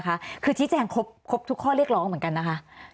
คือชี้แจงครบทุกข้อเรียกร้องเหมือนกันนะคะ